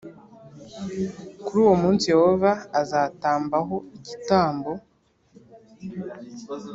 Kuri uwo munsi Yehova azatambaho igitambo